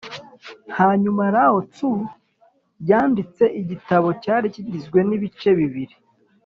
hanyuma lao tzu yanditse igitabo cyari kigizwe n’ibice bibiri